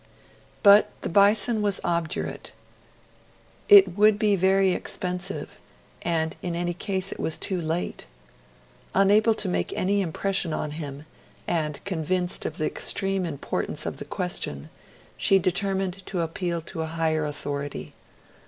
But the Bison was obdurate; it would be very expensive, and in any case it was too late. Unable to make any impression on him, and convinced of the extreme importance of the question, she determined to appeal to a higher authority.